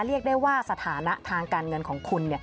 เรียกได้ว่าสถานะทางการเงินของคุณ